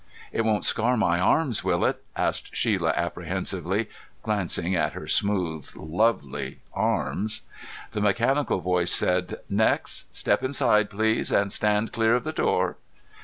"It won't scar my arms, will it?" asked Shelia apprehensively, glancing at her smooth, lovely arms. The mechanical voice said, "Next. Step inside, please, and stand clear of the door."